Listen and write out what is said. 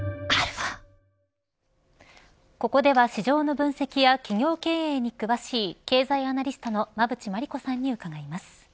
ここでは市場の分析や企業経営に詳しい経済アナリストの馬渕磨理子さんに伺います。